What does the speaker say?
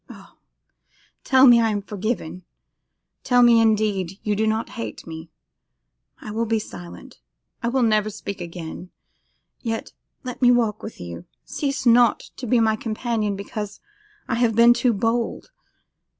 Ah! tell me I am forgiven; tell me indeed you do not hate me. I will be silent, I will never speak again. Yet, let me walk with you. Cease not to be my companion because I have been too bold.